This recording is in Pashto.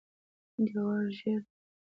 جوار ژیړ دي.